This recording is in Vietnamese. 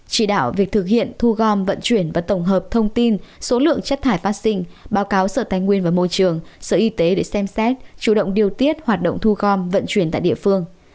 chỉ đạo việc thực hiện thu gom vận chuyển và tổng hợp thông tin số lượng chất thải phát sinh báo cáo sở tài nguyên và môi trường sở y tế để xem xét chủ động điều tiết hoạt động thu gom vận chuyển tại địa phương